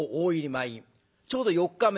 ちょうど４日目。